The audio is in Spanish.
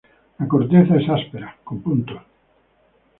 La corteza es áspera, con puntos.